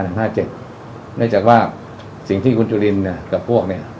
เนื่องจากว่าสิ่งที่คุณจุลินกับพวกเนี่ย